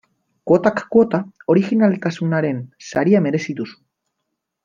Kuotak kuota, orijinaltasunaren saria merezi duzu.